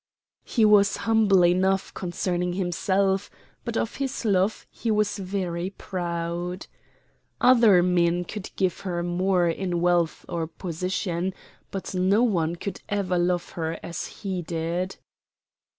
He was humble enough concerning himself, but of his love he was very proud. Other men could give her more in wealth or position, but no one could ever love her as he did.